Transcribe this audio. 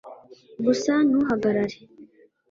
gusa ntuhagarare